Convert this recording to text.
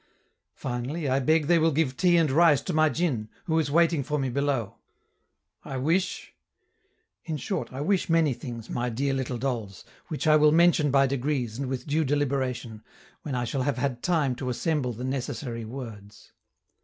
Finally, I beg they will give tea and rice to my djin, who is waiting for me below; I wish, in short, I wish many things, my dear little dolls, which I will mention by degrees and with due deliberation, when I shall have had time to assemble the necessary words.